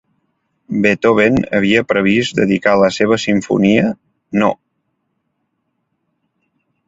Beethoven havia previst dedicar la seva Simfonia No.